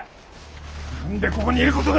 何でここにいることが！